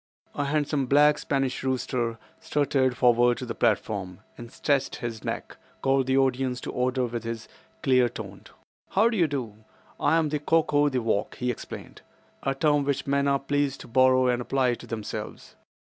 A handsome black Spanish rooster strutted forward to the platform, and stretching his neck, called the audience to order with his clear toned "How do you do? I am the 'Cock o' the walk,'" he explained, "a term which men are pleased to borrow and apply to themselves.